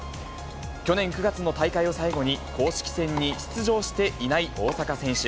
去年９月の大会を最後に、公式戦に出場していない大坂選手。